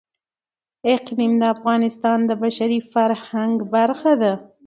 اقلیم د افغانستان د بشري فرهنګ برخه ده.